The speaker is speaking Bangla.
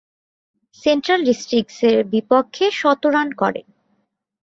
সেন্ট্রাল ডিস্ট্রিক্টসের বিপক্ষে শতরান করেন।